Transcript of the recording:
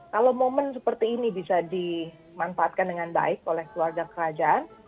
kalau momen seperti ini bisa dimanfaatkan dengan baik oleh keluarga kerajaan